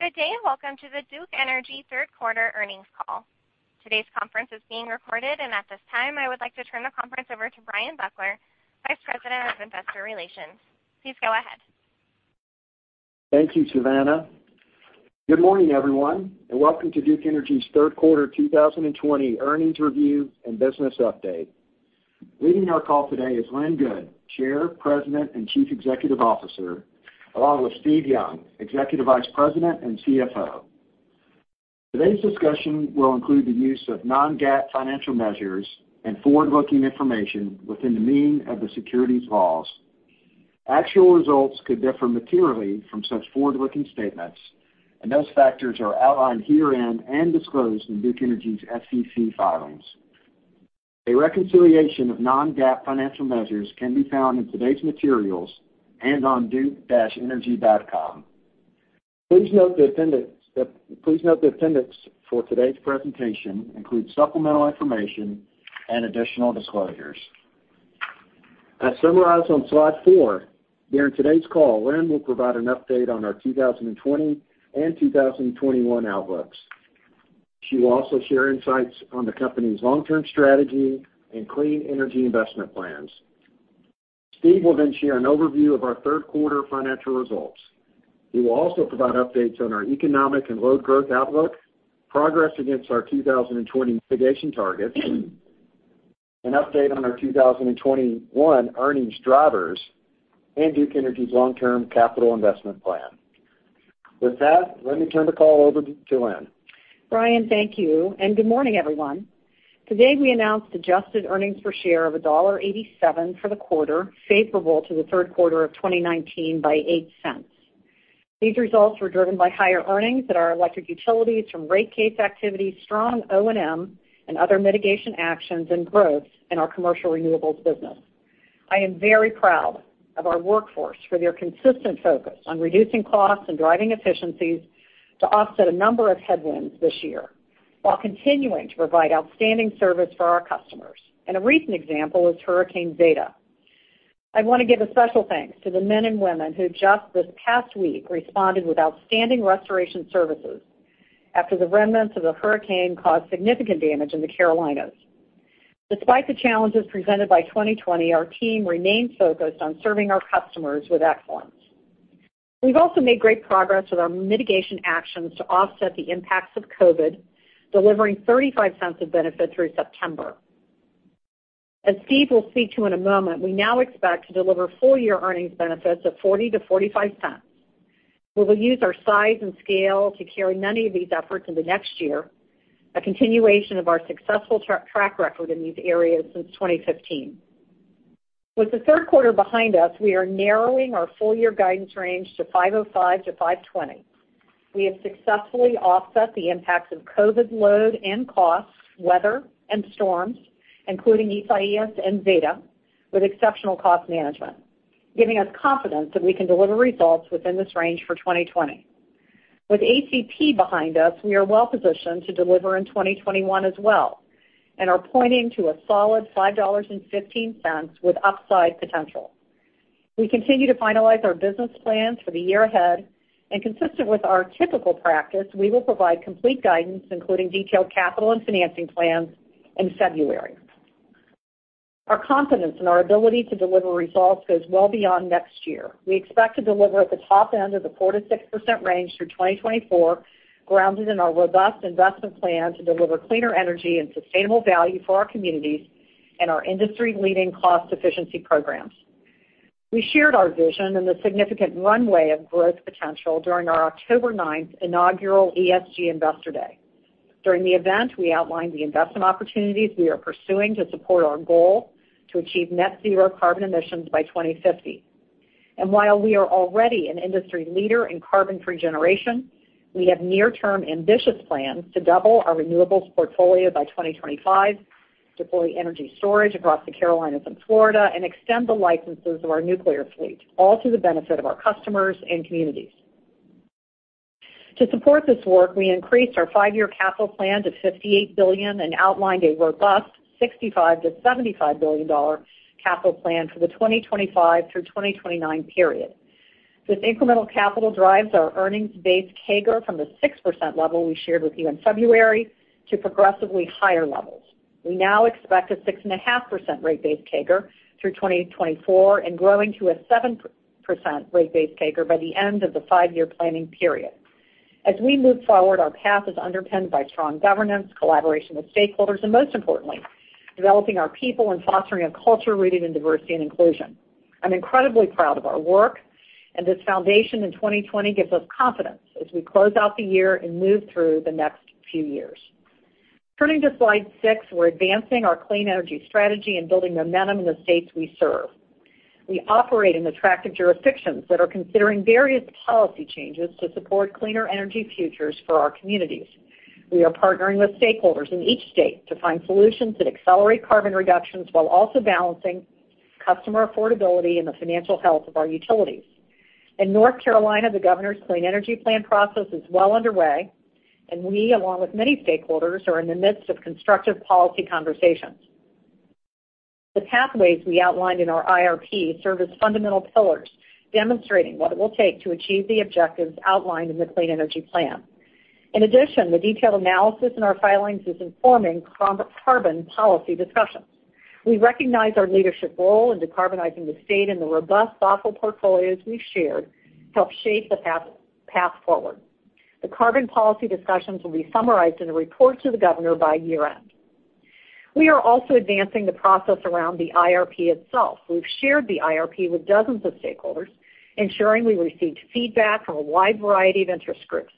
Good day. Welcome to the Duke Energy third quarter earnings call. Today's conference is being recorded. At this time, I would like to turn the conference over to Bryan Buckler, Vice President of Investor Relations. Please go ahead. Thank you, Savannah. Good morning, everyone, and welcome to Duke Energy's third quarter 2020 earnings review and business update. Leading our call today is Lynn Good, Chair, President, and Chief Executive Officer, along with Steve Young, Executive Vice President and CFO. Today's discussion will include the use of non-GAAP financial measures and forward-looking information within the meaning of the securities laws. Actual results could differ materially from such forward-looking statements, and those factors are outlined herein and disclosed in Duke Energy's SEC filings. A reconciliation of non-GAAP financial measures can be found in today's materials and on duke-energy.com. Please note the appendix for today's presentation includes supplemental information and additional disclosures. As summarized on slide four, during today's call, Lynn will provide an update on our 2020 and 2021 outlooks. She will also share insights on the company's long-term strategy and clean energy investment plans. Steve will share an overview of our third quarter financial results. He will also provide updates on our economic and load growth outlook, progress against our 2020 mitigation targets, an update on our 2021 earnings drivers, and Duke Energy's long-term capital investment plan. With that, let me turn the call over to Lynn. Bryan, thank you, and good morning, everyone. Today, we announced adjusted earnings per share of $1.87 for the quarter, favorable to the third quarter of 2019 by $0.08. These results were driven by higher earnings at our electric utilities from rate case activity, strong O&M, and other mitigation actions and growth in our commercial renewables business. I am very proud of our workforce for their consistent focus on reducing costs and driving efficiencies to offset a number of headwinds this year while continuing to provide outstanding service for our customers. A recent example is Hurricane Zeta. I want to give a special thanks to the men and women who just this past week responded with outstanding restoration services after the remnants of the hurricane caused significant damage in the Carolinas. Despite the challenges presented by 2020, our team remains focused on serving our customers with excellence. We've also made great progress with our mitigation actions to offset the impacts of COVID, delivering $0.35 of benefit through September. As Steve will speak to in a moment, we now expect to deliver full-year earnings benefits of $0.40-$0.45, where we'll use our size and scale to carry many of these efforts into next year, a continuation of our successful track record in these areas since 2015. With the third quarter behind us, we are narrowing our full-year guidance range to $5.05-$5.20. We have successfully offset the impacts of COVID load and costs, weather, and storms, including Eta and Zeta, with exceptional cost management, giving us confidence that we can deliver results within this range for 2020. With ACP behind us, we are well-positioned to deliver in 2021 as well and are pointing to a solid $5.15 with upside potential. We continue to finalize our business plans for the year ahead, and consistent with our typical practice, we will provide complete guidance, including detailed capital and financing plans, in February. Our confidence in our ability to deliver results goes well beyond next year. We expect to deliver at the top end of the 4%-6% range through 2024, grounded in our robust investment plan to deliver cleaner energy and sustainable value for our communities and our industry-leading cost efficiency programs. We shared our vision and the significant runway of growth potential during our October 9 inaugural ESG Investor Day. During the event, we outlined the investment opportunities we are pursuing to support our goal to achieve net zero carbon emissions by 2050. While we are already an industry leader in carbon-free generation, we have near-term ambitious plans to double our renewables portfolio by 2025, deploy energy storage across the Carolinas and Florida, and extend the licenses of our nuclear fleet, all to the benefit of our customers and communities. To support this work, we increased our five-year capital plan to $58 billion and outlined a robust $65 billion-$75 billion capital plan for the 2025 through 2029 period. This incremental capital drives our earnings base CAGR from the 6% level we shared with you in February to progressively higher levels. We now expect a 6.5% rate base CAGR through 2024 and growing to a 7% rate base CAGR by the end of the five-year planning period. As we move forward, our path is underpinned by strong governance, collaboration with stakeholders, and most importantly, developing our people and fostering a culture rooted in diversity and inclusion. I'm incredibly proud of our work, and this foundation in 2020 gives us confidence as we close out the year and move through the next few years. Turning to slide six, we're advancing our clean energy strategy and building momentum in the states we serve. We operate in attractive jurisdictions that are considering various policy changes to support cleaner energy futures for our communities. We are partnering with stakeholders in each state to find solutions that accelerate carbon reductions while also balancing customer affordability and the financial health of our utilities. In North Carolina, the governor's Clean Energy Plan process is well underway. We, along with many stakeholders, are in the midst of constructive policy conversations. The pathways we outlined in our IRP serve as fundamental pillars, demonstrating what it will take to achieve the objectives outlined in the Clean Energy Plan. In addition, the detailed analysis in our filings is informing carbon policy discussions. We recognize our leadership role in decarbonizing the state. The robust, thoughtful portfolios we've shared help shape the path forward. The carbon policy discussions will be summarized in a report to the governor by year-end. We are also advancing the process around the IRP itself. We've shared the IRP with dozens of stakeholders, ensuring we received feedback from a wide variety of interest groups.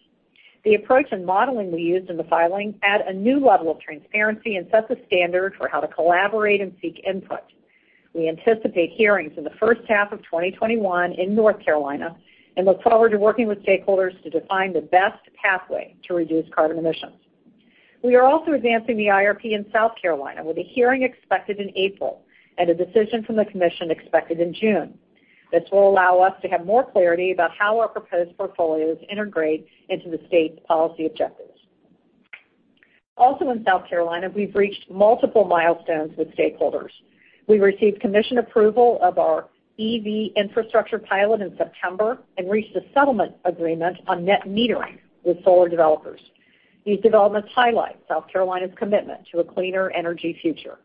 The approach and modeling we used in the filing add a new level of transparency and sets a standard for how to collaborate and seek input. We anticipate hearings in the first half of 2021 in North Carolina and look forward to working with stakeholders to define the best pathway to reduce carbon emissions. We are also advancing the IRP in South Carolina, with a hearing expected in April, and a decision from the commission expected in June. This will allow us to have more clarity about how our proposed portfolios integrate into the state's policy objectives. Also in South Carolina, we've reached multiple milestones with stakeholders. We received commission approval of our EV infrastructure pilot in September and reached a settlement agreement on net metering with solar developers. These developments highlight South Carolina's commitment to a cleaner energy future.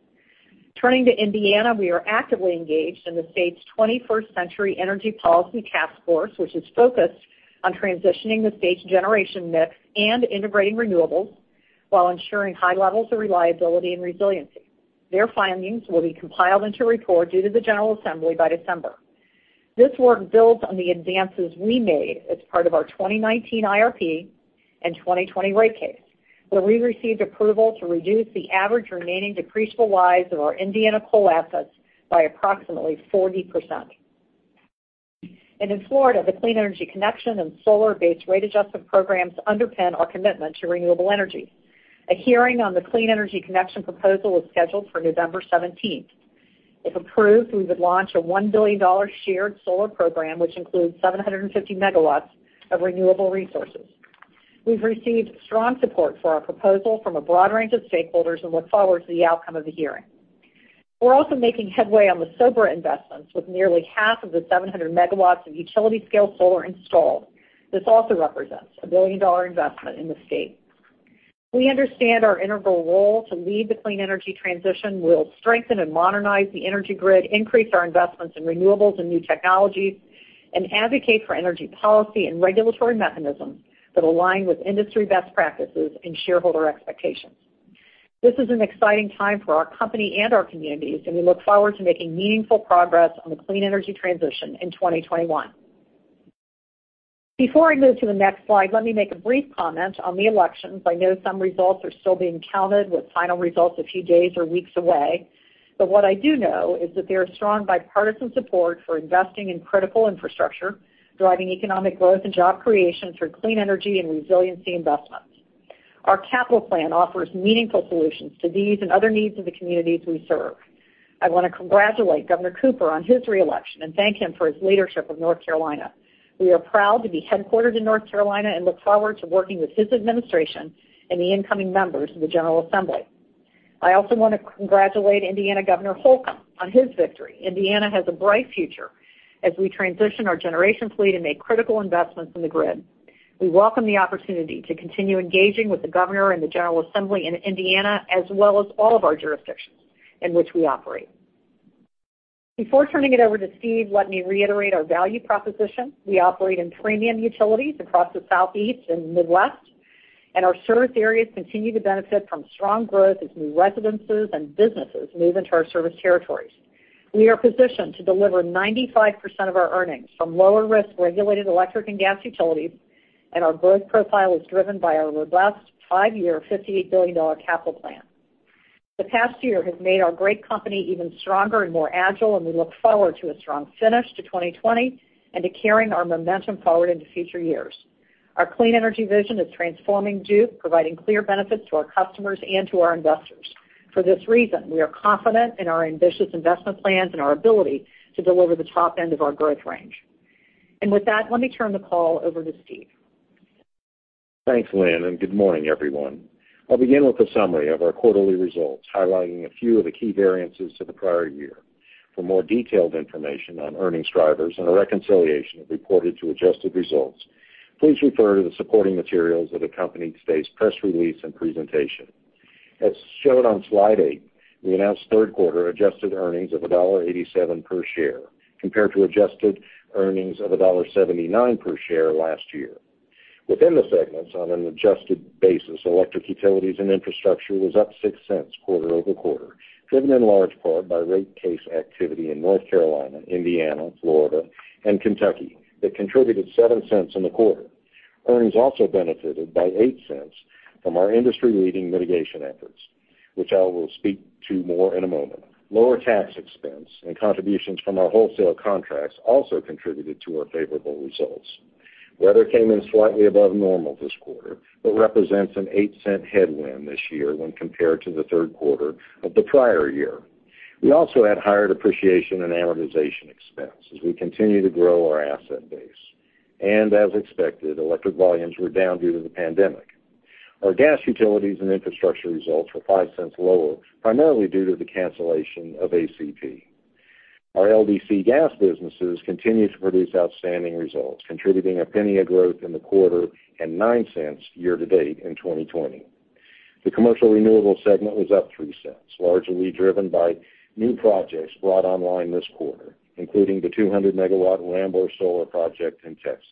Turning to Indiana, we are actively engaged in the state's 21st Century Energy Policy Task Force, which is focused on transitioning the state's generation mix and integrating renewables while ensuring high levels of reliability and resiliency. Their findings will be compiled into a report due to the General Assembly by December. This work builds on the advances we made as part of our 2019 IRP and 2020 rate case, where we received approval to reduce the average remaining depreciable lives of our Indiana coal assets by approximately 40%. In Florida, the Clean Energy Connection and solar base rate adjustment programs underpin our commitment to renewable energy. A hearing on the Clean Energy Connection proposal is scheduled for November 17th. If approved, we would launch a $1 billion shared solar program, which includes 750 MW of renewable resources. We've received strong support for our proposal from a broad range of stakeholders and look forward to the outcome of the hearing. We're also making headway on the SoBRA investments, with nearly half of the 700 MW of utility-scale solar installed. This also represents a billion-dollar investment in the state. We understand our integral role to lead the clean energy transition will strengthen and modernize the energy grid, increase our investments in renewables and new technologies, and advocate for energy policy and regulatory mechanisms that align with industry best practices and shareholder expectations. This is an exciting time for our company and our communities. We look forward to making meaningful progress on the clean energy transition in 2021. Before I move to the next slide, let me make a brief comment on the elections. I know some results are still being counted, with final results a few days or weeks away. What I do know is that there is strong bipartisan support for investing in critical infrastructure, driving economic growth and job creation through clean energy and resiliency investments. Our capital plan offers meaningful solutions to these and other needs of the communities we serve. I want to congratulate Governor Cooper on his re-election and thank him for his leadership of North Carolina. We are proud to be headquartered in North Carolina and look forward to working with his administration and the incoming members of the General Assembly. I also want to congratulate Indiana Governor Holcomb on his victory. Indiana has a bright future as we transition our generation fleet and make critical investments in the grid. We welcome the opportunity to continue engaging with the Governor and the General Assembly in Indiana, as well as all of our jurisdictions in which we operate. Before turning it over to Steve, let me reiterate our value proposition. We operate in premium utilities across the Southeast and Midwest, and our service areas continue to benefit from strong growth as new residences and businesses move into our service territories. We are positioned to deliver 95% of our earnings from lower-risk regulated electric and gas utilities, and our growth profile is driven by our robust five-year $58 billion capital plan. The past year has made our great company even stronger and more agile, and we look forward to a strong finish to 2020 and to carrying our momentum forward into future years. Our clean energy vision is transforming Duke, providing clear benefits to our customers and to our investors. For this reason, we are confident in our ambitious investment plans and our ability to deliver the top end of our growth range. With that, let me turn the call over to Steve. Thanks, Lynn, and good morning, everyone. I'll begin with a summary of our quarterly results, highlighting a few of the key variances to the prior year. For more detailed information on earnings drivers and a reconciliation of reported to adjusted results, please refer to the supporting materials that accompany today's press release and presentation. As showed on slide eight, we announced third-quarter adjusted earnings of $1.87 per share, compared to adjusted earnings of $1.79 per share last year. Within the segments, on an adjusted basis, electric utilities and infrastructure was up $0.06 quarter-over-quarter, driven in large part by rate case activity in North Carolina, Indiana, Florida, and Kentucky that contributed $0.07 in the quarter. Earnings also benefited by $0.08 from our industry-leading mitigation efforts, which I will speak to more in a moment. Lower tax expense and contributions from our wholesale contracts also contributed to our favorable results. Weather came in slightly above normal this quarter but represents an $0.08 headwind this year when compared to the third quarter of the prior year. We also had higher depreciation and amortization expense as we continue to grow our asset base. As expected, electric volumes were down due to the pandemic. Our gas utilities and infrastructure results were $0.05 lower, primarily due to the cancellation of ACP. Our LDC gas businesses continue to produce outstanding results, contributing $0.01 of growth in the quarter and $0.09 year to date in 2020. The commercial renewables segment was up $0.03, largely driven by new projects brought online this quarter, including the 200 MW Rambler solar project in Texas.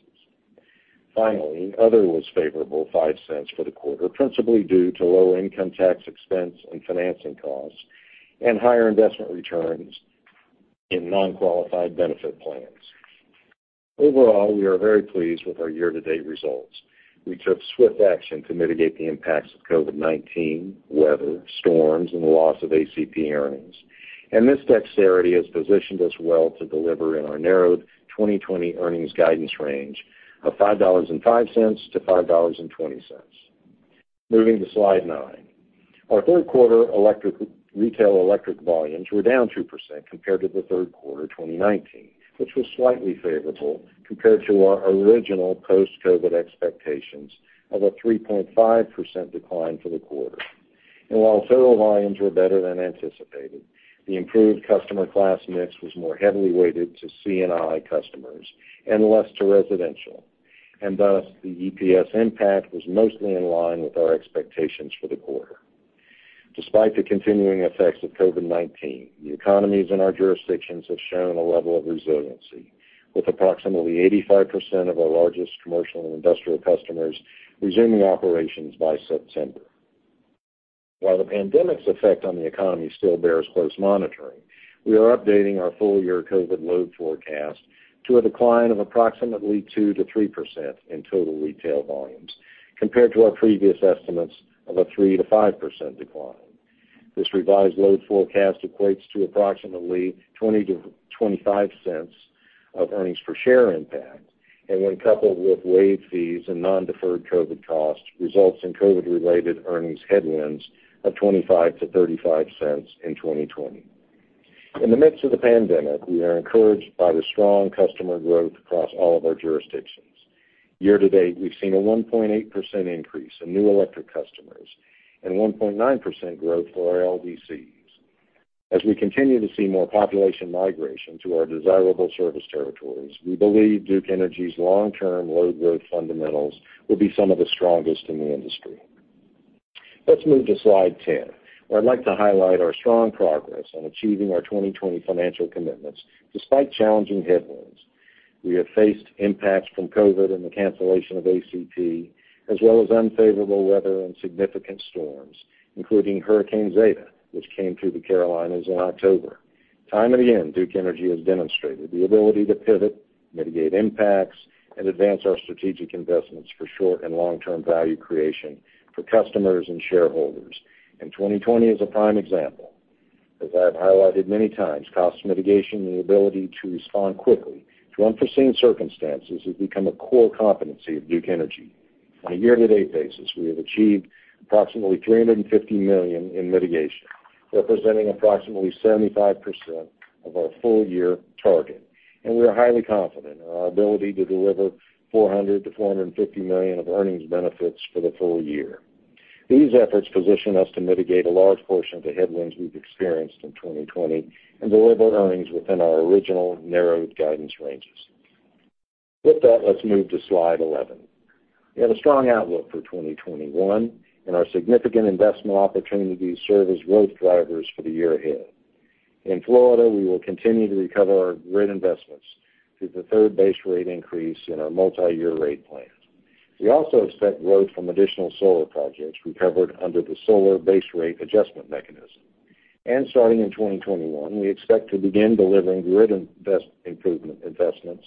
Finally, other was favorable $0.05 for the quarter, principally due to lower income tax expense and financing costs and higher investment returns in non-qualified benefit plans. Overall, we are very pleased with our year-to-date results. We took swift action to mitigate the impacts of COVID-19, weather, storms, and the loss of ACP earnings. This dexterity has positioned us well to deliver in our narrowed 2020 earnings guidance range of $5.05-$5.20. Moving to slide nine. Our third quarter retail electric volumes were down 2% compared to the third quarter 2019, which was slightly favorable compared to our original post-COVID expectations of a 3.5% decline for the quarter. While total volumes were better than anticipated, the improved customer class mix was more heavily weighted to C&I customers and less to residential. Thus, the EPS impact was mostly in line with our expectations for the quarter. Despite the continuing effects of COVID-19, the economies in our jurisdictions have shown a level of resiliency, with approximately 85% of our largest commercial and industrial customers resuming operations by September. While the pandemic's effect on the economy still bears close monitoring, we are updating our full-year COVID load forecast to a decline of approximately 2%-3% in total retail volumes, compared to our previous estimates of a 3%-5% decline. This revised load forecast equates to approximately $0.20-$0.25 of earnings per share impact, and when coupled with waived fees and non-deferred COVID costs, results in COVID-related earnings headwinds of $0.25-$0.35 in 2020. In the midst of the pandemic, we are encouraged by the strong customer growth across all of our jurisdictions. Year to date, we've seen a 1.8% increase in new electric customers and 1.9% growth for our LDCs. As we continue to see more population migration to our desirable service territories, we believe Duke Energy's long-term load growth fundamentals will be some of the strongest in the industry. Let's move to slide 10, where I'd like to highlight our strong progress on achieving our 2020 financial commitments despite challenging headwinds. We have faced impacts from COVID and the cancellation of ACP, as well as unfavorable weather and significant storms, including Hurricane Zeta, which came through the Carolinas in October. Time and again, Duke Energy has demonstrated the ability to pivot, mitigate impacts, and advance our strategic investments for short- and long-term value creation for customers and shareholders. 2020 is a prime example. As I have highlighted many times, cost mitigation and the ability to respond quickly to unforeseen circumstances has become a core competency of Duke Energy. On a year-to-date basis, we have achieved approximately $350 million in mitigation, representing approximately 75% of our full-year target. We are highly confident in our ability to deliver $400 million-$450 million of earnings benefits for the full year. These efforts position us to mitigate a large portion of the headwinds we've experienced in 2020 and deliver earnings within our original narrowed guidance ranges. With that, let's move to slide 11. We have a strong outlook for 2021, and our significant investment opportunities serve as growth drivers for the year ahead. In Florida, we will continue to recover our grid investments through the third base rate increase in our multi-year rate plan. We also expect growth from additional solar projects recovered under the solar base rate adjustment mechanism. Starting in 2021, we expect to begin delivering grid improvement investments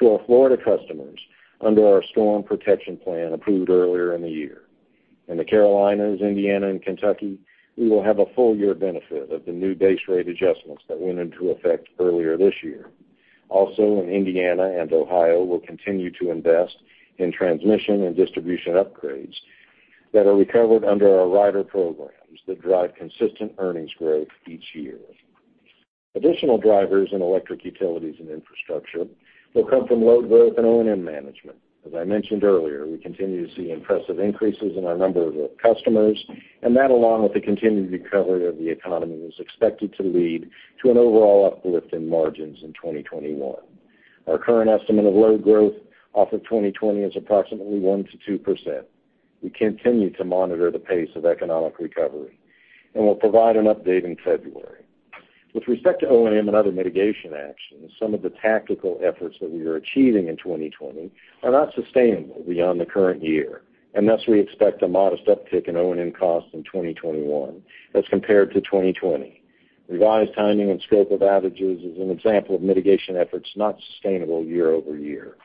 to our Florida customers under our Storm Protection Plan approved earlier in the year. In the Carolinas, Indiana, and Kentucky, we will have a full-year benefit of the new base rate adjustments that went into effect earlier this year. In Indiana and Ohio, we'll continue to invest in transmission and distribution upgrades that are recovered under our rider programs that drive consistent earnings growth each year. Additional drivers in electric utilities and infrastructure will come from load growth and O&M management. As I mentioned earlier, we continue to see impressive increases in our number of customers, and that, along with the continued recovery of the economy, is expected to lead to an overall uplift in margins in 2021. Our current estimate of load growth off of 2020 is approximately 1%-2%. We continue to monitor the pace of economic recovery and will provide an update in February. With respect to O&M and other mitigation actions, some of the tactical efforts that we are achieving in 2020 are not sustainable beyond the current year, and thus we expect a modest uptick in O&M costs in 2021 as compared to 2020. Revised timing and scope of outages is an example of mitigation efforts not sustainable year-over-year.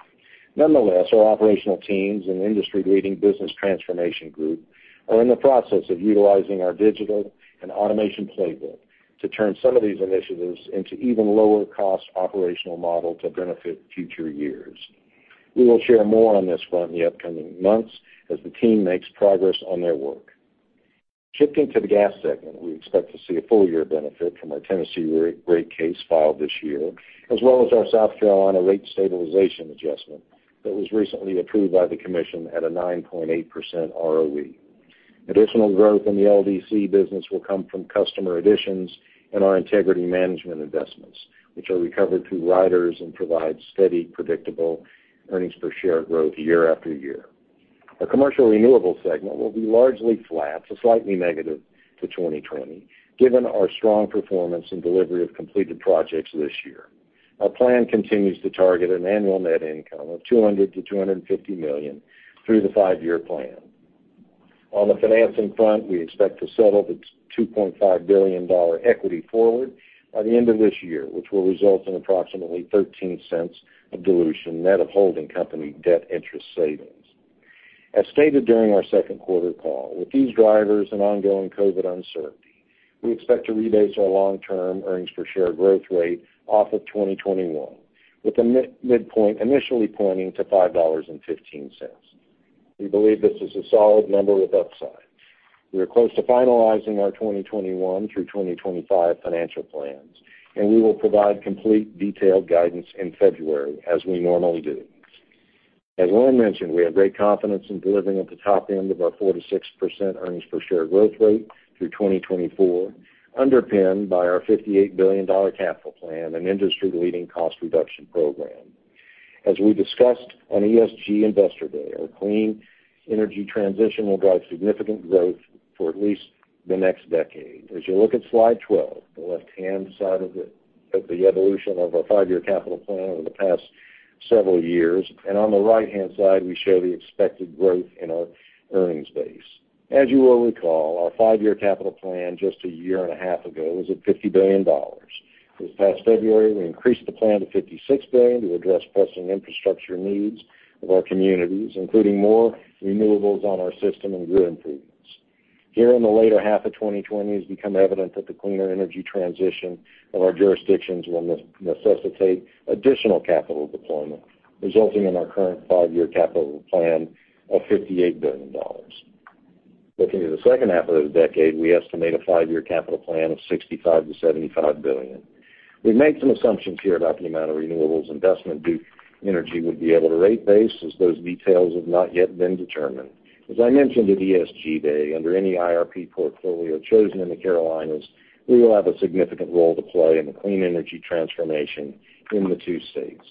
Nonetheless, our operational teams and industry-leading business transformation group are in the process of utilizing our digital and automation playbook to turn some of these initiatives into even lower cost operational model to benefit future years. We will share more on this front in the upcoming months as the team makes progress on their work. Shifting to the gas segment, we expect to see a full-year benefit from our Tennessee rate case filed this year, as well as our South Carolina rate stabilization adjustment that was recently approved by the commission at a 9.8% ROE. Additional growth in the LDC business will come from customer additions and our integrity management investments, which are recovered through riders and provide steady, predictable earnings per share growth year after year. Our commercial renewables segment will be largely flat to slightly negative to 2020, given our strong performance and delivery of completed projects this year. Our plan continues to target an annual net income of $200 million-$250 million through the five-year plan. On the financing front, we expect to settle the $2.5 billion equity forward by the end of this year, which will result in approximately $0.13 of dilution net of holding company debt interest savings. As stated during our second quarter call, with these drivers and ongoing COVID-19 uncertainty, we expect to rebase our long-term earnings per share growth rate off of 2021, with the midpoint initially pointing to $5.15. We believe this is a solid number with upside. We are close to finalizing our 2021 through 2025 financial plans. We will provide complete detailed guidance in February, as we normally do. As Lynn mentioned, we have great confidence in delivering at the top end of our 4%-6% earnings per share growth rate through 2024, underpinned by our $58 billion capital plan and industry-leading cost reduction program. As we discussed on ESG Investor Day, our clean energy transition will drive significant growth for at least the next decade. As you look at slide 12, the left-hand side of it, at the evolution of our five-year capital plan over the past several years, and on the right-hand side, we show the expected growth in our earnings base. As you will recall, our five-year capital plan just a year and a half ago was at $50 billion. This past February, we increased the plan to $56 billion to address pressing infrastructure needs of our communities, including more renewables on our system and grid improvements. Here in the later half of 2020, it's become evident that the cleaner energy transition of our jurisdictions will necessitate additional capital deployment, resulting in our current five-year capital plan of $58 billion. Looking to the second half of the decade, we estimate a five-year capital plan of $65 billion-$75 billion. We've made some assumptions here about the amount of renewables investment Duke Energy would be able to rate base, as those details have not yet been determined. As I mentioned at ESG Day, under any IRP portfolio chosen in the Carolinas, we will have a significant role to play in the clean energy transformation in the two states.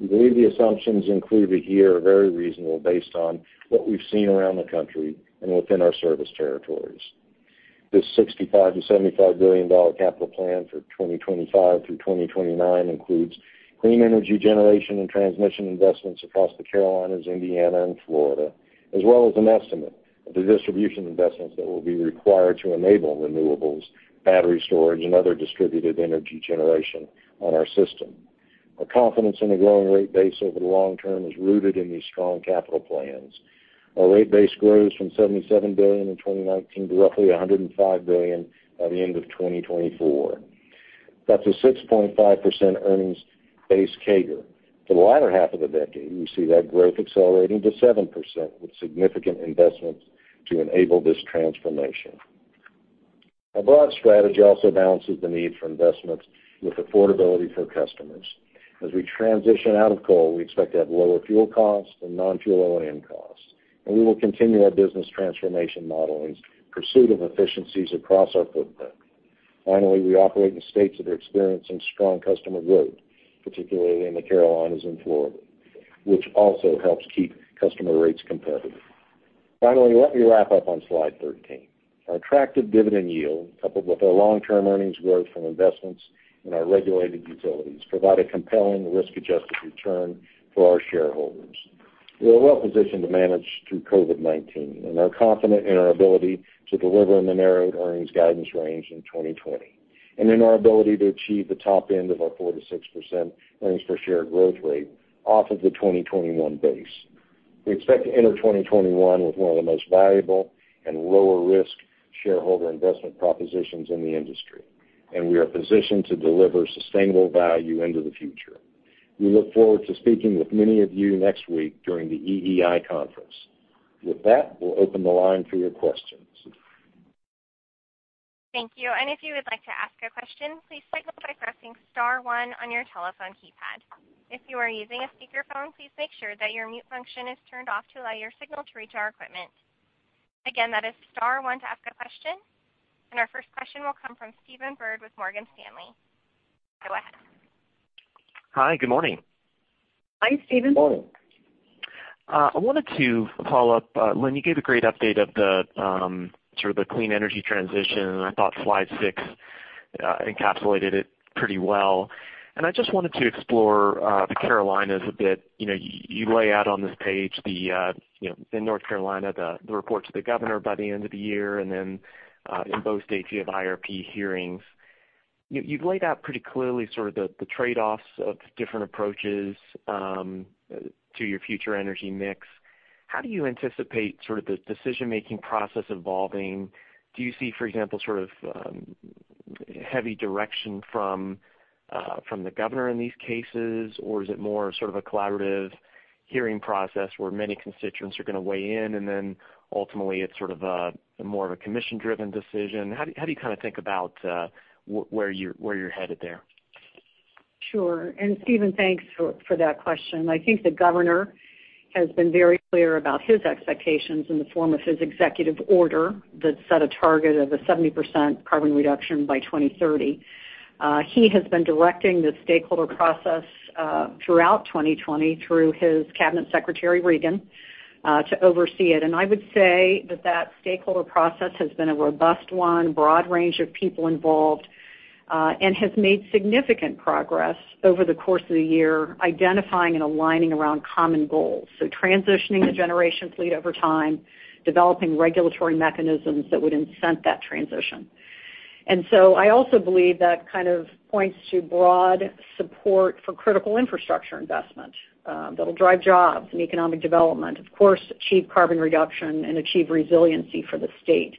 We believe the assumptions included here are very reasonable based on what we've seen around the country and within our service territories. This $65 billion-$75 billion capital plan for 2025 through 2029 includes clean energy generation and transmission investments across the Carolinas, Indiana, and Florida, as well as an estimate of the distribution investments that will be required to enable renewables, battery storage, and other distributed energy generation on our system. Our confidence in a growing rate base over the long term is rooted in these strong capital plans. Our rate base grows from $77 billion in 2019 to roughly $105 billion by the end of 2024. That's a 6.5% earnings base CAGR. For the latter half of the decade, we see that growth accelerating to 7%, with significant investments to enable this transformation. Our broad strategy also balances the need for investments with affordability for customers. As we transition out of coal, we expect to have lower fuel costs and non-fuel O&M costs, and we will continue our business transformation model in pursuit of efficiencies across our footprint. Finally, we operate in states that are experiencing strong customer growth, particularly in the Carolinas and Florida, which also helps keep customer rates competitive. Finally, let me wrap up on slide 13. Our attractive dividend yield, coupled with our long-term earnings growth from investments in our regulated utilities, provide a compelling risk-adjusted return for our shareholders. We are well-positioned to manage through COVID-19 and are confident in our ability to deliver in the narrowed earnings guidance range in 2020 and in our ability to achieve the top end of our 4%-6% earnings per share growth rate off of the 2021 base. We expect to enter 2021 with one of the most valuable and lower-risk shareholder investment propositions in the industry, and we are positioned to deliver sustainable value into the future. We look forward to speaking with many of you next week during the EEI conference. With that, we'll open the line for your questions. Thank you. If you would like to ask a question, please signal by pressing star one on your telephone keypad. If you are using a speakerphone, please make sure that your mute function is turned off to allow your signal to reach our equipment. Again, that is star one to ask a question. Our first question will come from Stephen Byrd with Morgan Stanley. Go ahead. Hi, good morning. Hi, Stephen. I wanted to follow up. Lynn, you gave a great update of the clean energy transition. I thought slide six encapsulated it pretty well. I just wanted to explore the Carolinas a bit. You lay out on this page in North Carolina, the report to the Governor by the end of the year. Then in both states, you have IRP hearings. You've laid out pretty clearly the trade-offs of different approaches to your future energy mix. How do you anticipate the decision-making process evolving? Do you see, for example, sort of, heavy direction from the governor in these cases, or is it more sort of a collaborative hearing process where many constituents are going to weigh in, and then ultimately, it's more of a commission-driven decision? How do you think about where you're headed there? Sure. Stephen, thanks for that question. I think the Governor has been very clear about his expectations in the form of his executive order that set a target of a 70% carbon reduction by 2030. He has been directing the stakeholder process throughout 2020 through his Cabinet Secretary, Regan, to oversee it. I would say that stakeholder process has been a robust one, broad range of people involved, and has made significant progress over the course of the year, identifying and aligning around common goals. Transitioning the generation fleet over time, developing regulatory mechanisms that would incent that transition. I also believe that kind of points to broad support for critical infrastructure investment that'll drive jobs and economic development, of course, achieve carbon reduction and achieve resiliency for the state.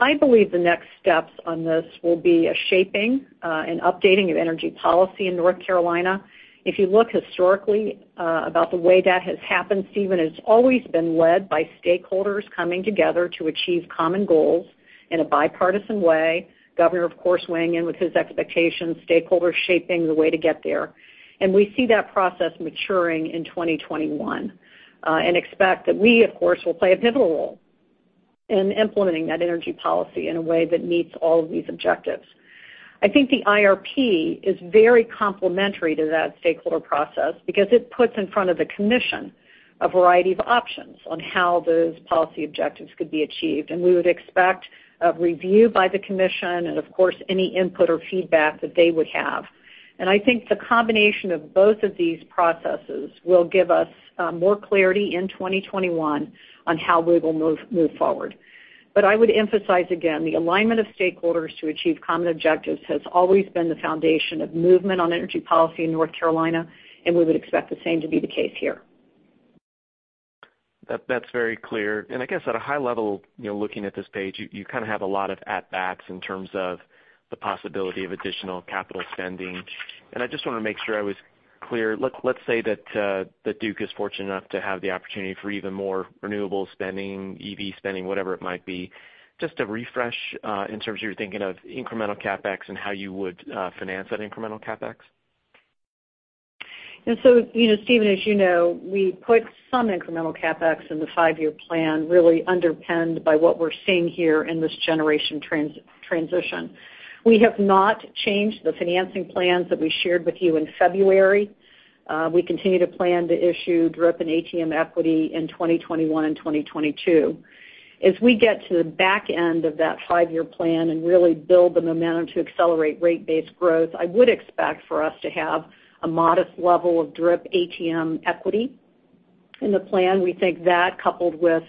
I believe the next steps on this will be a shaping, an updating of energy policy in North Carolina. If you look historically about the way that has happened, Stephen, it's always been led by stakeholders coming together to achieve common goals in a bipartisan way, Governor, of course, weighing in with his expectations, stakeholders shaping the way to get there. And we see that process maturing in 2021, and expect that we, of course, will play a pivotal role in implementing that energy policy in a way that meets all of these objectives. I think the IRP is very complementary to that stakeholder process because it puts in front of the commission a variety of options on how those policy objectives could be achieved, and we would expect a review by the commission and of course, any input or feedback that they would have. I think the combination of both of these processes will give us more clarity in 2021 on how we will move forward. I would emphasize again, the alignment of stakeholders to achieve common objectives has always been the foundation of movement on energy policy in North Carolina, and we would expect the same to be the case here. That's very clear. I guess at a high level, looking at this page, you kind of have a lot of at-bats in terms of the possibility of additional capital spending. I just want to make sure I was clear. Let's say that Duke is fortunate enough to have the opportunity for even more renewable spending, EV spending, whatever it might be. Just to refresh, in terms of you're thinking of incremental CapEx and how you would finance that incremental CapEx. Stephen, as you know, we put some incremental CapEx in the five-year plan, really underpinned by what we're seeing here in this generation transition. We have not changed the financing plans that we shared with you in February. We continue to plan to issue DRIP and ATM equity in 2021 and 2022. As we get to the back end of that five-year plan and really build the momentum to accelerate rate base growth, I would expect for us to have a modest level of DRIP ATM equity in the plan. We think that coupled with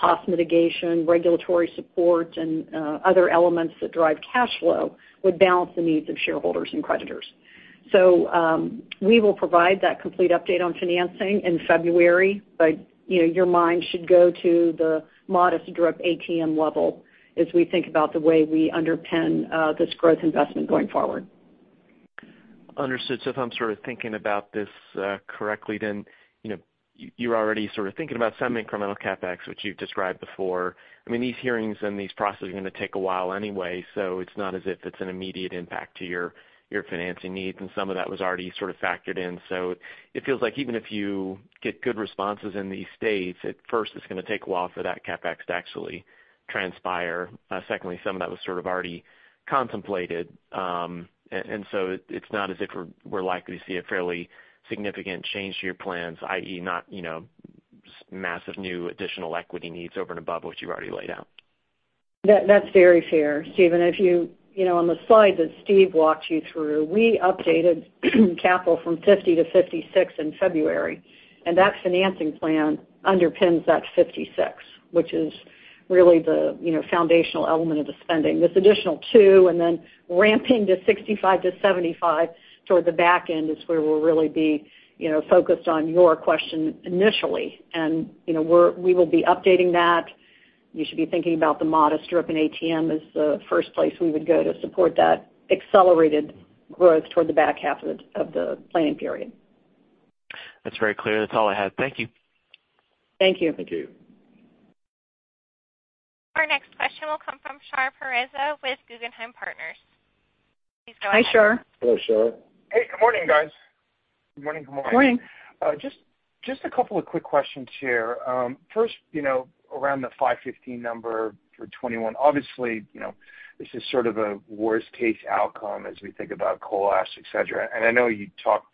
cost mitigation, regulatory support, and other elements that drive cash flow would balance the needs of shareholders and creditors. We will provide that complete update on financing in February, but your mind should go to the modest DRIP ATM level as we think about the way we underpin this growth investment going forward. Understood. If I'm sort of thinking about this correctly, then you're already sort of thinking about some incremental CapEx, which you've described before. These hearings and these processes are going to take a while anyway, so it's not as if it's an immediate impact to your financing needs, and some of that was already sort of factored in. It feels like even if you get good responses in these states, at first, it's going to take a while for that CapEx to actually transpire. Secondly, some of that was sort of already contemplated. It's not as if we're likely to see a fairly significant change to your plans, i.e., not massive new additional equity needs over and above what you've already laid out. That's very fair, Stephen. On the slide that Steve walked you through, we updated capital from 50-56 in February, That financing plan underpins that 56, which is really the foundational element of the spending. This additional two and then ramping to 65-75 toward the back end is where we'll really be focused on your question initially. We will be updating that. You should be thinking about the modest DRIP and ATM as the first place we would go to support that accelerated growth toward the back half of the planning period. That's very clear. That's all I have. Thank you. Thank you. Thank you. Our next question will come from Shar Pourreza with Guggenheim Partners. Please go ahead. Hi, Shar. Hello, Shar. Hey, good morning, guys. Good morning. Good morning. Just a couple of quick questions here. First, around the 515 number for 2021. Obviously, this is sort of a worst-case outcome as we think about coal ash, et cetera, and I know you'll talk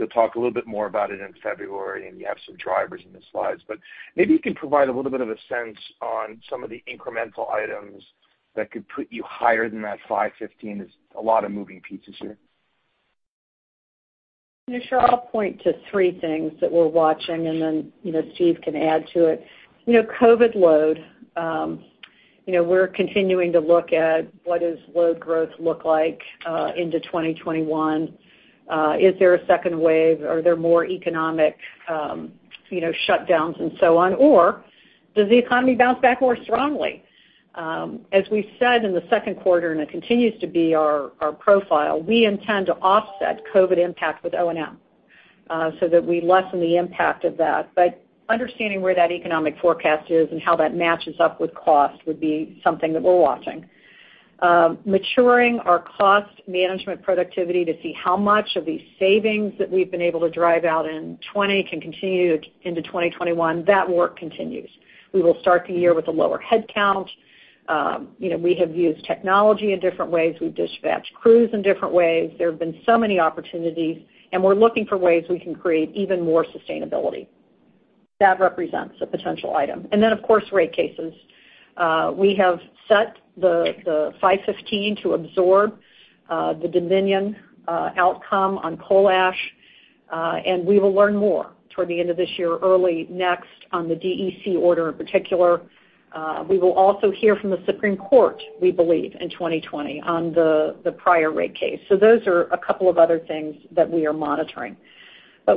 a little bit more about it in February, and you have some drivers in the slides, but maybe you can provide a little bit of a sense on some of the incremental items that could put you higher than that 515. There's a lot of moving pieces here. Shar, I'll point to three things that we're watching, and then Steve can add to it. COVID load. We're continuing to look at what does load growth look like into 2021. Is there a second wave? Are there more economic shutdowns and so on? Does the economy bounce back more strongly? As we said in the second quarter, and it continues to be our profile, we intend to offset COVID impact with O&M so that we lessen the impact of that. Understanding where that economic forecast is and how that matches up with cost would be something that we're watching. Maturing our cost management productivity to see how much of these savings that we've been able to drive out in 2020 can continue into 2021, that work continues. We will start the year with a lower headcount. We have used technology in different ways. We dispatch crews in different ways. There have been so many opportunities, and we're looking for ways we can create even more sustainability. That represents a potential item. Of course, rate cases. We have set the 515 to absorb the Dominion outcome on coal ash, and we will learn more toward the end of this year, early next, on the DEC order in particular. We will also hear from the Supreme Court, we believe, in 2020 on the prior rate case. Those are a couple of other things that we are monitoring. As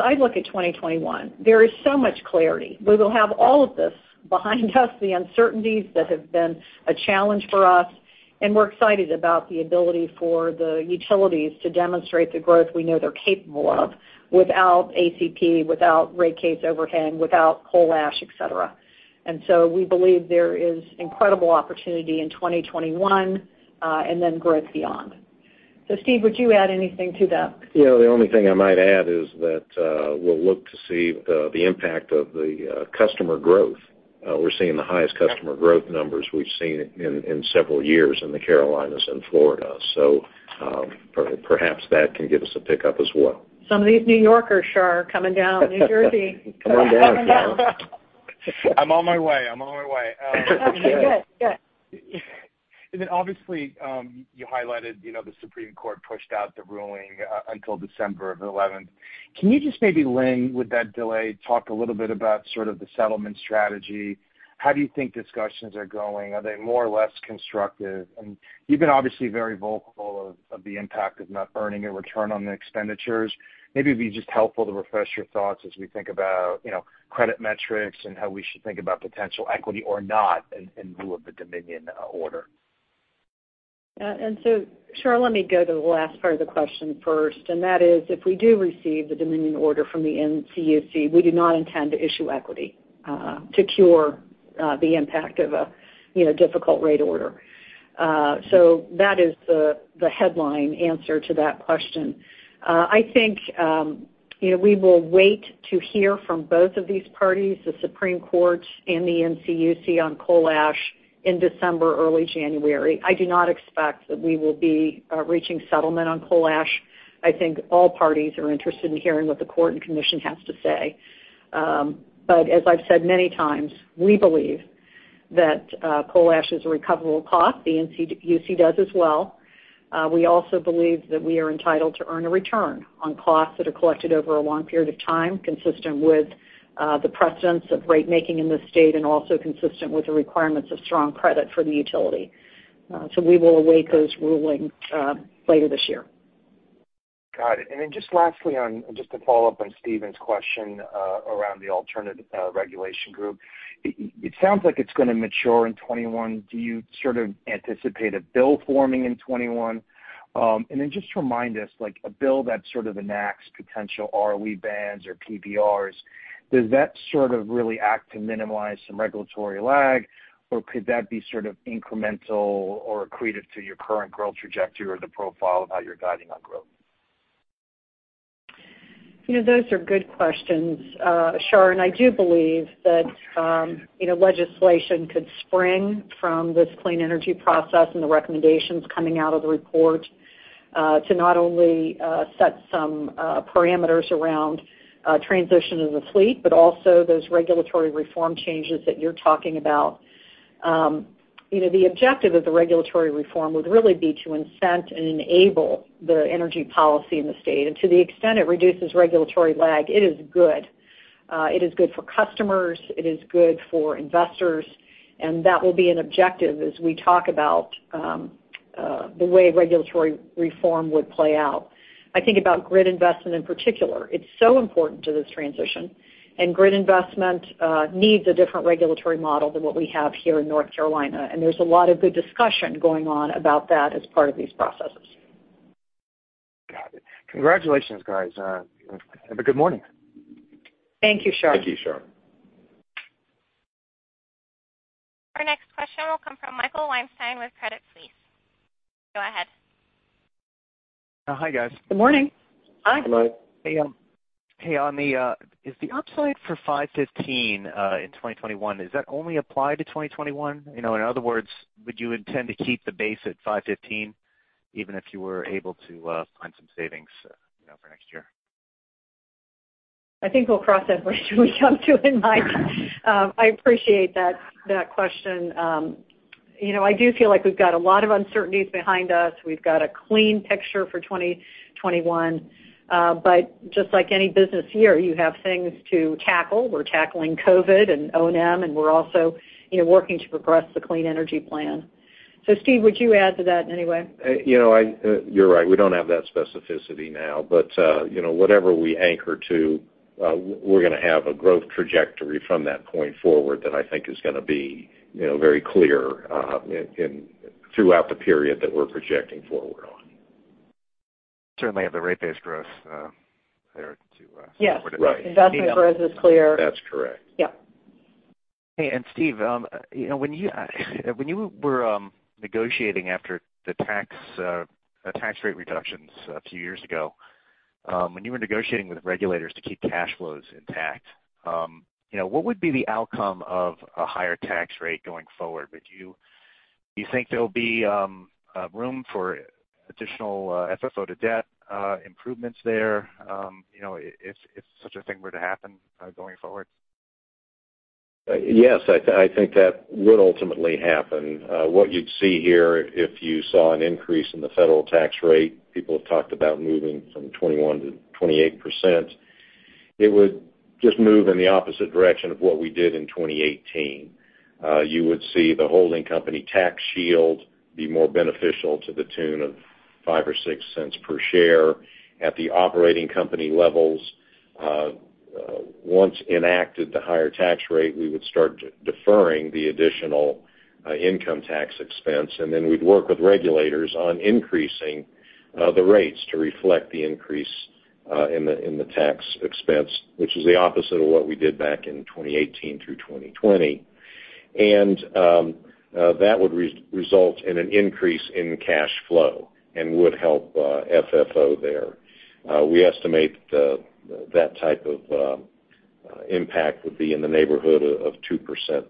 I look at 2021, there is so much clarity. We will have all of this behind us, the uncertainties that have been a challenge for us, and we're excited about the ability for the utilities to demonstrate the growth we know they're capable of without ACP, without rate case overhang, without coal ash, et cetera. We believe there is incredible opportunity in 2021, and then growth beyond. Steve, would you add anything to that? The only thing I might add is that we'll look to see the impact of the customer growth. We're seeing the highest customer growth numbers we've seen in several years in the Carolinas and Florida. Perhaps that can give us a pickup as well. Some of these New Yorkers, Shar, are coming down New Jersey. Coming down. I'm on my way. Okay, good. Obviously, you highlighted the Supreme Court pushed out the ruling until December 11th. Can you just maybe link with that delay, talk a little bit about sort of the settlement strategy? How do you think discussions are going? Are they more or less constructive? You've been obviously very vocal of the impact of not earning a return on the expenditures. Maybe it would be just helpful to refresh your thoughts as we think about credit metrics and how we should think about potential equity or not in lieu of the Dominion order. Shar, let me go to the last part of the question first, and that is if we do receive the Dominion order from the NCUC, we do not intend to issue equity to cure the impact of a difficult rate order. That is the headline answer to that question. I think we will wait to hear from both of these parties, the Supreme Court and the NCUC on coal ash in December, early January. I do not expect that we will be reaching settlement on coal ash. I think all parties are interested in hearing what the court and commission has to say. As I've said many times, we believe that coal ash is a recoverable cost. The NCUC does as well. We also believe that we are entitled to earn a return on costs that are collected over a long period of time, consistent with the precedent of rate making in this state and also consistent with the requirements of strong credit for the utility. We will await those rulings later this year. Got it. Lastly on, just to follow up on Stephen's question around the alternative regulation group. It sounds like it's going to mature in 2021. Do you sort of anticipate a bill forming in 2021? Just remind us, a bill that sort of enacts potential ROE bands or PBRs, does that sort of really act to minimize some regulatory lag, or could that be sort of incremental or accretive to your current growth trajectory or the profile of how you're guiding on growth? Those are good questions, Shar, and I do believe that legislation could spring from this clean energy process and the recommendations coming out of the report to not only set some parameters around transition of the fleet, but also those regulatory reform changes that you're talking about. The objective of the regulatory reform would really be to incent and enable the energy policy in the state. To the extent it reduces regulatory lag, it is good. It is good for customers, it is good for investors, and that will be an objective as we talk about the way regulatory reform would play out. I think about grid investment in particular. It's so important to this transition, and grid investment needs a different regulatory model than what we have here in North Carolina, and there's a lot of good discussion going on about that as part of these processes. Got it. Congratulations, guys. Have a good morning. Thank you, Shar. Thank you, Shar. Our next question will come from Michael Weinstein with Credit Suisse. Go ahead. Hi, guys. Good morning. Hi. Good morning. Hey y'all. Is the upside for 515, in 2021, does that only apply to 2021? In other words, would you intend to keep the base at 515 even if you were able to find some savings for next year? I think we'll cross that bridge when we come to it, Mike. I appreciate that question. I do feel like we've got a lot of uncertainties behind us. We've got a clean picture for 2021. But just like any business year, you have things to tackle. We're tackling COVID and O&M, and we're also working to progress the clean energy plan. Steve, would you add to that in any way? You're right. We don't have that specificity now, but whatever we anchor to, we're going to have a growth trajectory from that point forward that I think is going to be very clear throughout the period that we're projecting forward on. Certainly have the rate-based growth there. Yes. Right. Investment growth is clear. That's correct. Yep. Hey, Steve, when you were negotiating after the tax rate reductions a few years ago, when you were negotiating with regulators to keep cash flows intact, what would be the outcome of a higher tax rate going forward? Do you think there'll be room for additional FFO to debt improvements there if such a thing were to happen going forward? Yes, I think that would ultimately happen. What you'd see here, if you saw an increase in the federal tax rate, people have talked about moving from 21%-28%. It would just move in the opposite direction of what we did in 2018. You would see the holding company tax shield be more beneficial to the tune of $0.05 or $0.06 per share. At the operating company levels, once enacted the higher tax rate, we would start deferring the additional income tax expense, and then we'd work with regulators on increasing the rates to reflect the increase in the tax expense, which is the opposite of what we did back in 2018 through 2020. That would result in an increase in cash flow and would help FFO there. We estimate that type of impact would be in the neighborhood of 2%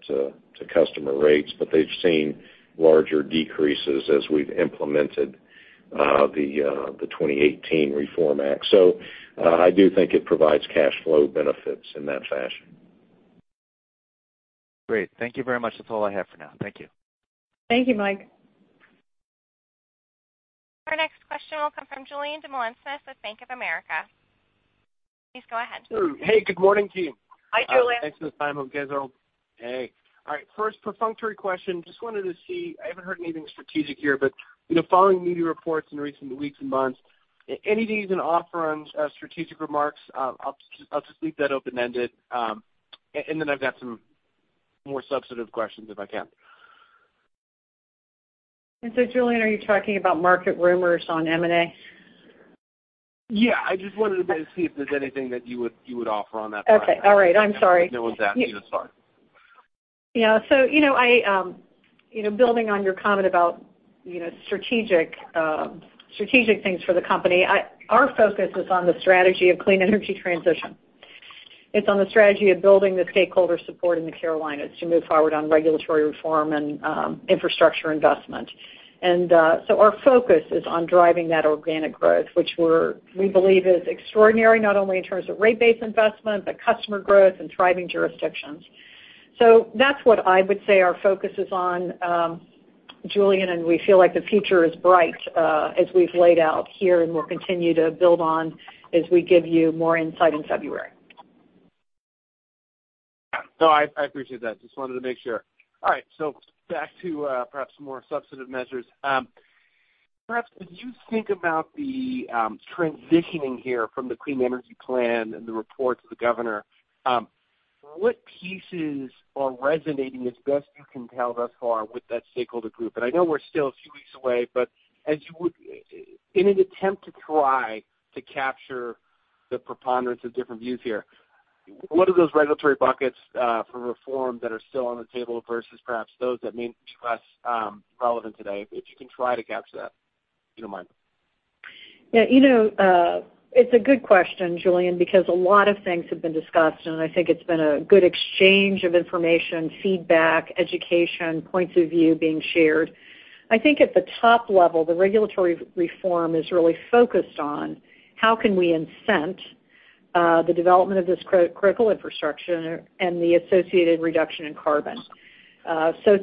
to customer rates, but they've seen larger decreases as we've implemented the 2018 Reform Act. I do think it provides cash flow benefits in that fashion. Great. Thank you very much. That's all I have for now. Thank you. Thank you, Mike. Our next question will come from Julien Dumoulin-Smith with Bank of America. Please go ahead. Hey, good morning to you. Hi, Julien. Thanks for the time, hope guys are okay. All right. First perfunctory question, just wanted to see, I haven't heard anything strategic here, but following media reports in recent weeks and months, any reason to offer on strategic remarks? I'll just leave that open-ended. Then I've got some more substantive questions, if I can. Julien, are you talking about market rumors on M&A? Yeah. I just wanted to see if there's anything that you would offer on that front. Okay. All right. I'm sorry. If no one's asking, that's fine. Yeah. Building on your comment about strategic things for the company, our focus is on the strategy of clean energy transition. It's on the strategy of building the stakeholder support in the Carolinas to move forward on regulatory reform and infrastructure investment. Our focus is on driving that organic growth, which we believe is extraordinary, not only in terms of rate base investment, but customer growth and thriving jurisdictions. That's what I would say our focus is on, Julien, and we feel like the future is bright as we've laid out here, and we'll continue to build on as we give you more insight in February. No, I appreciate that. Just wanted to make sure. All right, back to perhaps more substantive measures. Perhaps as you think about the transitioning here from the Clean Energy Plan and the report to the Governor, what pieces are resonating as best you can tell thus far with that stakeholder group? I know we're still a few weeks away, but in an attempt to try to capture the preponderance of different views here, what are those regulatory buckets for reform that are still on the table versus perhaps those that may be less relevant today? If you can try to capture that, if you don't mind. It's a good question, Julien, because a lot of things have been discussed, and I think it's been a good exchange of information, feedback, education, points of view being shared. I think at the top level, the regulatory reform is really focused on how can we incent the development of this critical infrastructure and the associated reduction in carbon.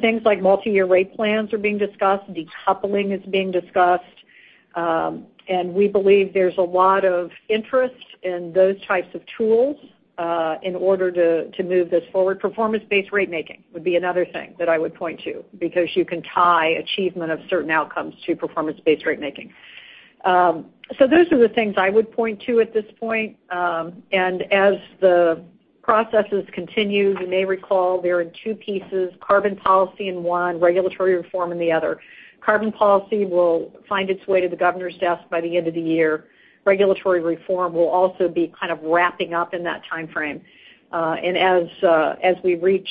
Things like multi-year rate plans are being discussed, decoupling is being discussed. We believe there's a lot of interest in those types of tools in order to move this forward. Performance-Based Regulation would be another thing that I would point to because you can tie achievement of certain outcomes to Performance-Based Regulation. Those are the things I would point to at this point. As the processes continue, you may recall there are two pieces, carbon policy in one, regulatory reform in the other. Carbon policy will find its way to the Governor's desk by the end of the year. Regulatory reform will also be kind of wrapping up in that timeframe. As we reach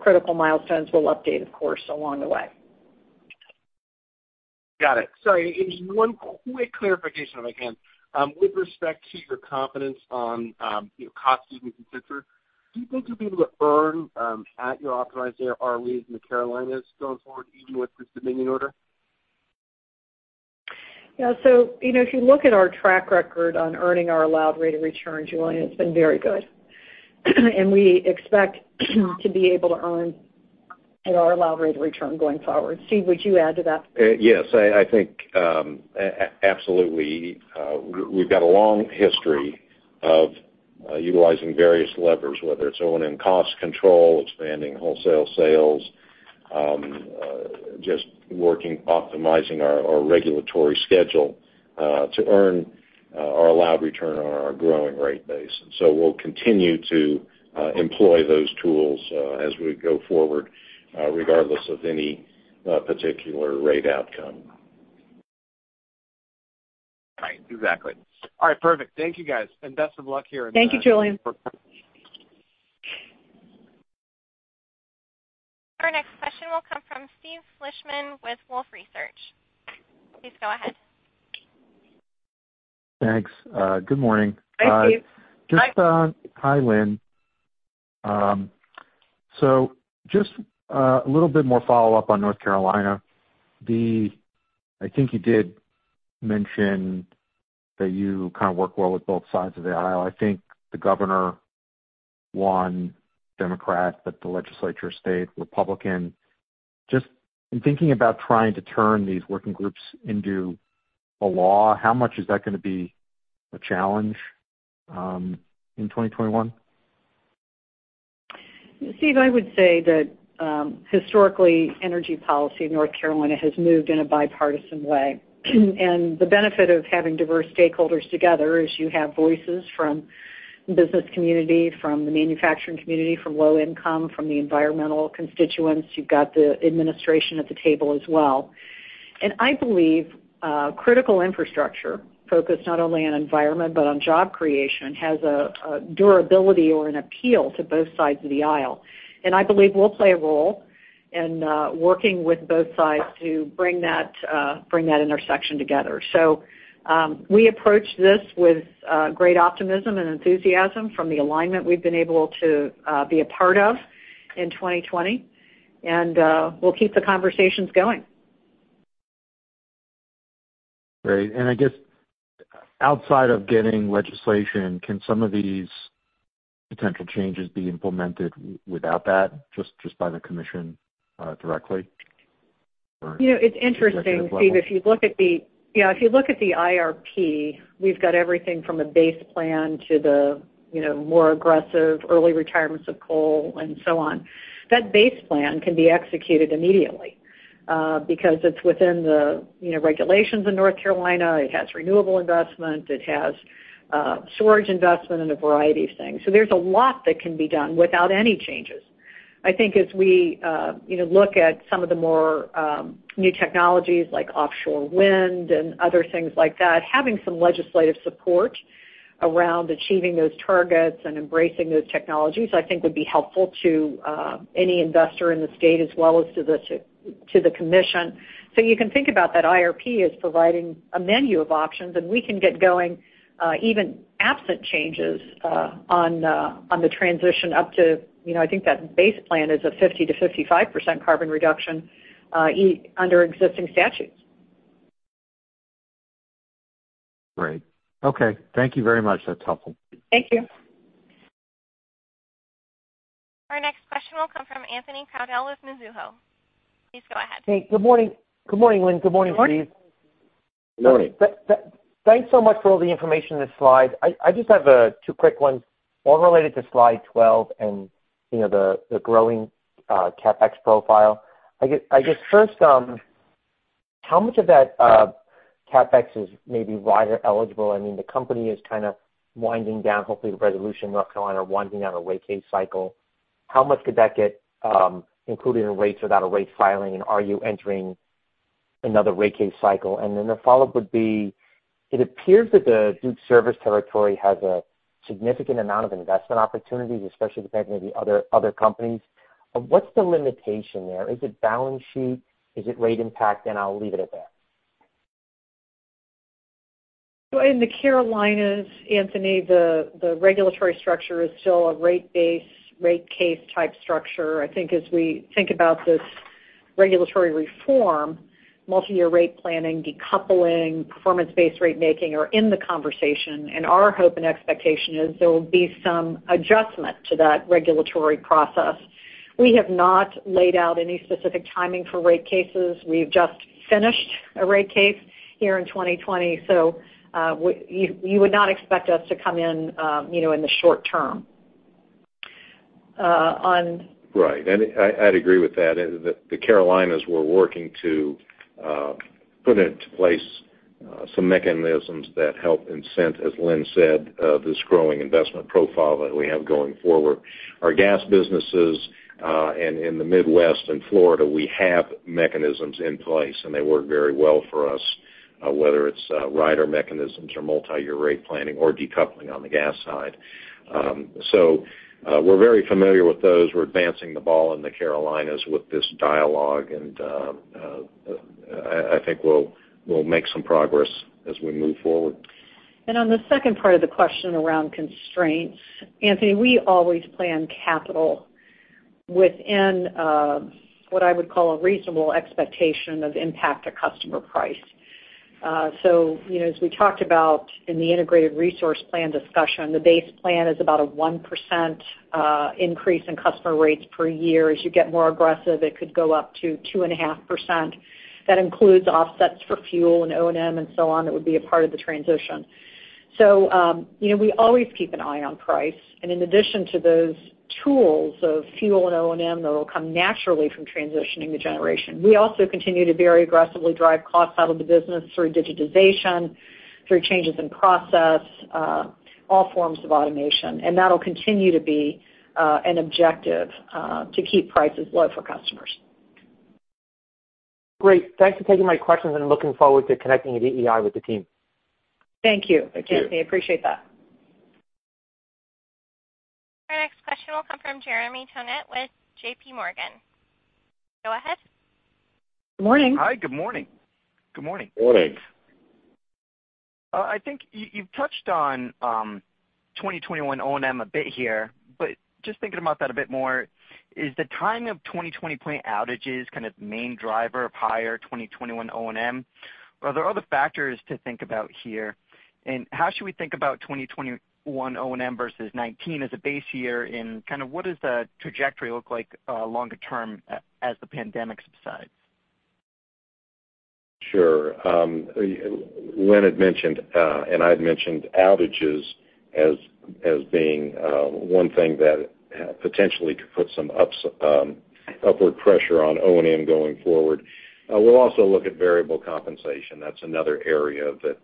critical milestones, we'll update, of course, along the way. Got it. Sorry, one quick clarification if I can. With respect to your confidence on cost even considered, do you think you'll be able to earn at your optimized ROE in the Carolinas going forward, even with this Dominion order? Yeah. If you look at our track record on earning our allowed rate of return, Julien, it's been very good. We expect to be able to earn our allowed rate of return going forward. Steve, would you add to that? Yes. I think absolutely. We've got a long history of utilizing various levers, whether it's owning cost control, expanding wholesale sales, just working, optimizing our regulatory schedule to earn our allowed return on our growing rate base. We'll continue to employ those tools as we go forward regardless of any particular rate outcome. Exactly. All right, perfect. Thank you, guys. Thank you, Julien. You're welcoome. Our next question will come from Steve Fleishman with Wolfe Research. Please go ahead. Thanks. Good morning. Hi, Steve. Hi, Lynn. Just a little bit more follow-up on North Carolina. I think you did mention that you kind of work well with both sides of the aisle. I think the Governor won, Democrat, but the legislature stayed Republican. Just in thinking about trying to turn these working groups into a law, how much is that going to be a challenge in 2021? Steve, I would say that historically, energy policy in North Carolina has moved in a bipartisan way. The benefit of having diverse stakeholders together is you have voices from the business community, from the manufacturing community, from low income, from the environmental constituents. You've got the administration at the table as well. I believe critical infrastructure focused not only on environment, but on job creation, has a durability or an appeal to both sides of the aisle. I believe we'll play a role in working with both sides to bring that intersection together. We approach this with great optimism and enthusiasm from the alignment we've been able to be a part of in 2020, and we'll keep the conversations going. Great. I guess outside of getting legislation, can some of these potential changes be implemented without that, just by the commission directly? It's interesting, Steve, if you look at the IRP, we've got everything from a base plan to the more aggressive early retirements of coal and so on. That base plan can be executed immediately, because it's within the regulations in North Carolina. It has renewable investment. It has storage investment and a variety of things. There's a lot that can be done without any changes. I think as we look at some of the more new technologies like offshore wind and other things like that, having some legislative support around achieving those targets and embracing those technologies, I think would be helpful to any investor in the state as well as to the Commission. You can think about that IRP as providing a menu of options, and we can get going even absent changes on the transition up to, I think that base plan is a 50%-55% carbon reduction under existing statutes. Great. Okay. Thank you very much. That's helpful. Thank you. Our next question will come from Anthony Crowdell with Mizuho. Please go ahead. Hey, good morning. Good morning, Lynn. Good morning, Steve. Good morning. Good morning. Thanks so much for all the information in the slide. I just have two quick ones, one related to slide 12 and the growing CapEx profile. I guess first, how much of that CapEx is maybe rider eligible? I mean, the company is kind of winding down, hopefully the resolution in North Carolina, winding down a rate case cycle. How much could that get included in rates without a rate filing? Are you entering another rate case cycle? Then the follow-up would be, it appears that the Duke service territory has a significant amount of investment opportunities, especially compared to maybe other companies. What's the limitation there? Is it balance sheet? Is it rate impact? I'll leave it at that. In the Carolinas, Anthony, the regulatory structure is still a rate base, rate case type structure. As we think about this regulatory reform, multi-year rate planning, decoupling, performance-based rate making are in the conversation, and our hope and expectation is there will be some adjustment to that regulatory process. We have not laid out any specific timing for rate cases. We've just finished a rate case here in 2020, so you would not expect us to come in the short term. I'd agree with that. The Carolinas, we're working to put into place some mechanisms that help incent, as Lynn said, this growing investment profile that we have going forward. Our gas businesses in the Midwest and Florida, we have mechanisms in place, and they work very well for us, whether it's rider mechanisms or multi-year rate planning or decoupling on the gas side. We're very familiar with those. We're advancing the ball in the Carolinas with this dialogue, and I think we'll make some progress as we move forward. On the second part of the question around constraints, Anthony, we always plan capital within what I would call a reasonable expectation of impact to customer price. As we talked about in the integrated resource plan discussion, the base plan is about a 1% increase in customer rates per year. As you get more aggressive, it could go up to 2.5%. That includes offsets for fuel and O&M and so on that would be a part of the transition. We always keep an eye on price, and in addition to those tools of fuel and O&M that'll come naturally from transitioning to generation, we also continue to very aggressively drive cost out of the business through digitization, through changes in process, all forms of automation, and that'll continue to be an objective to keep prices low for customers. Great. Thanks for taking my questions. I'm looking forward to connecting at EEI with the team. Thank you. Thank you. I appreciate that. Our next question will come from Jeremy Tonet with JPMorgan. Go ahead. Morning. Hi, good morning. Good morning. Morning. I think you've touched on 2021 O&M a bit here. Just thinking about that a bit more, is the timing of 2020 plant outages kind of the main driver of higher 2021 O&M? Are there other factors to think about here? How should we think about 2021 O&M versus 2019 as a base year, and what does the trajectory look like longer term as the pandemic subsides? Sure. Lynn had mentioned, and I had mentioned outages as being one thing that potentially could put some upward pressure on O&M going forward. We'll also look at variable compensation. That's another area that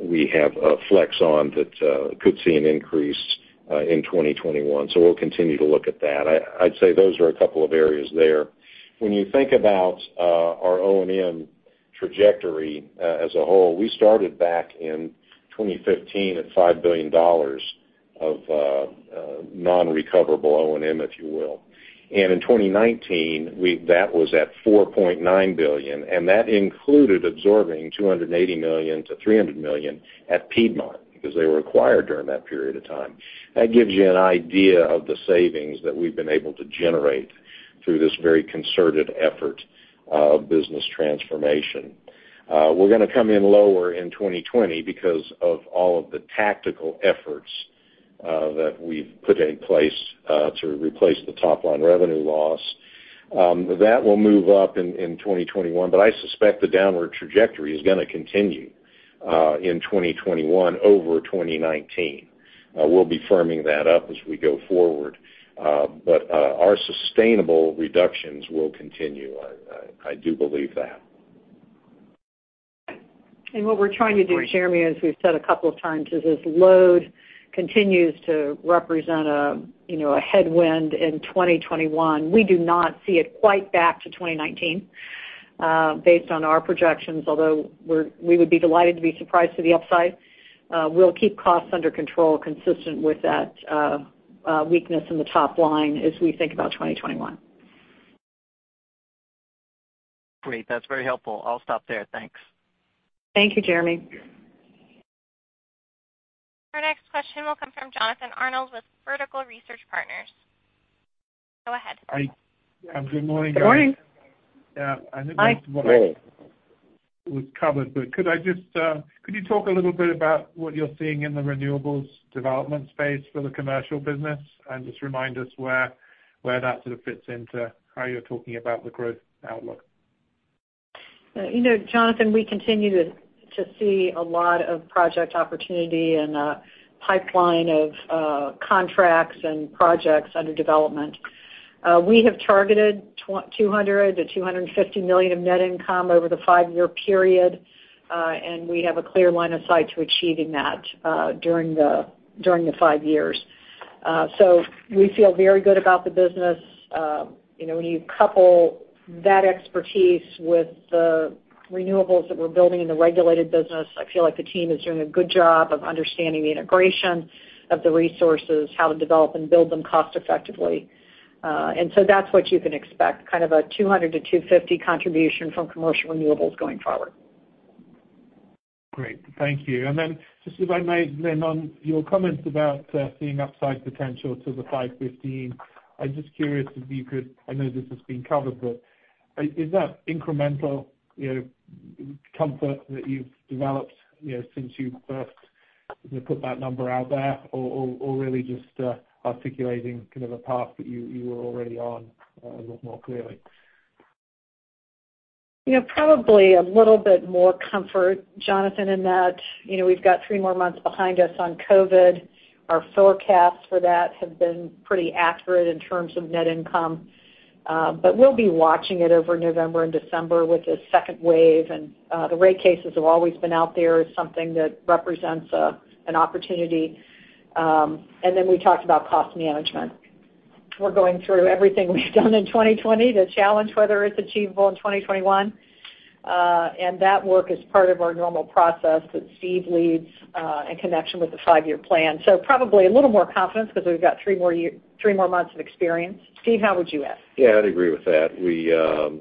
we have a flex on that could see an increase in 2021. We'll continue to look at that. I'd say those are a couple of areas there. When you think about our O&M trajectory as a whole, we started back in 2015 at $5 billion of non-recoverable O&M, if you will. In 2019, that was at $4.9 billion, and that included absorbing $280 million-$300 million at Piedmont because they were acquired during that period of time. That gives you an idea of the savings that we've been able to generate through this very concerted effort of business transformation. We're going to come in lower in 2020 because of all of the tactical efforts that we've put in place to replace the top-line revenue loss. That will move up in 2021, but I suspect the downward trajectory is going to continue in 2021 over 2019. We'll be firming that up as we go forward. Our sustainable reductions will continue. I do believe that. What we're trying to do- Great. Jeremy, as we've said a couple of times, as load continues to represent a headwind in 2021, we do not see it quite back to 2019 based on our projections, although we would be delighted to be surprised to the upside. We'll keep costs under control consistent with that weakness in the top line as we think about 2021. Great. That's very helpful. I'll stop there. Thanks. Thank you, Jeremy. Our next question will come from Jonathan Arnold with Vertical Research Partners. Go ahead. Hi, good morning guys. Morning. Yeah, I think most of what- Hi. Good morning. was covered, but could you talk a little bit about what you're seeing in the renewables development space for the commercial business and just remind us where that sort of fits into how you're talking about the growth outlook? Jonathan, we continue to see a lot of project opportunity and a pipeline of contracts and projects under development. We have targeted $200 million-$250 million of net income over the five-year period, we have a clear line of sight to achieving that during the five years. We feel very good about the business. When you couple that expertise with the renewables that we're building in the regulated business, I feel like the team is doing a good job of understanding the integration of the resources, how to develop and build them cost effectively. That's what you can expect, kind of a $200 million-$250 million contribution from commercial renewables going forward. Great. Thank you. Just if I may, Lynn, on your comments about seeing upside potential to the 515, I'm just curious. I know this has been covered, but is that incremental comfort that you've developed since you first put that number out there or really just articulating kind of a path that you were already on a lot more clearly? Probably a little bit more comfort, Jonathan, in that we've got three more months behind us on COVID. Our forecasts for that have been pretty accurate in terms of net income. We'll be watching it over November and December with this second wave, and the rate cases have always been out there as something that represents an opportunity. We talked about cost management. We're going through everything we've done in 2020 to challenge whether it's achievable in 2021. That work is part of our normal process that Steve leads in connection with the five-year plan. Probably a little more confidence because we've got three more months of experience. Steve, how would you add? Yeah, I'd agree with that. We are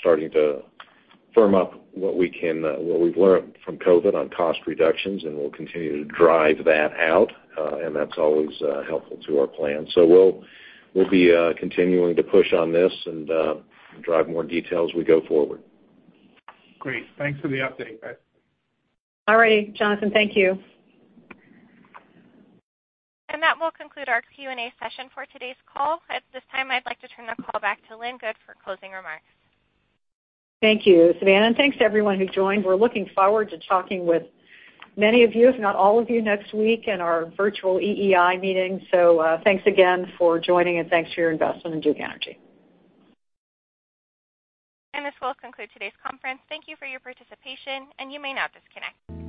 starting to firm up what we've learned from COVID on cost reductions, and we'll continue to drive that out. That's always helpful to our plan. We'll be continuing to push on this and drive more detail as we go forward. Great. Thanks for the update, guys. All right, Jonathan. Thank you. That will conclude our Q&A session for today's call. At this time, I'd like to turn the call back to Lynn Good for closing remarks. Thank you, Savannah, and thanks to everyone who joined. We're looking forward to talking with many of you, if not all of you, next week in our virtual EEI meeting. Thanks again for joining, and thanks for your investment in Duke Energy. This will conclude today's conference. Thank you for your participation, and you may now disconnect.